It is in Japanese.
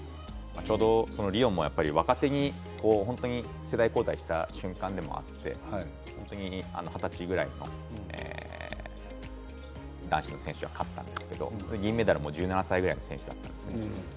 リオも若手に世代交代した瞬間でもあって二十歳ぐらいの男子の選手が勝ったんですけど金メダル、１７歳ぐらいの選手だったんですね。